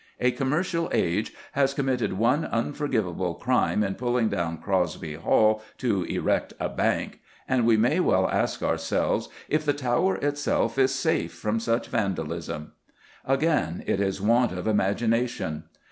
A commercial age has committed one unforgivable crime in pulling down Crosby Hall to erect a bank, and we may well ask ourselves if the Tower itself is safe from such vandalism. Again, it is want of imagination.